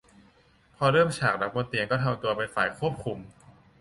พอเริ่มฉากรักบนเตียงก็ทำตัวเป็นฝ่ายควบคุม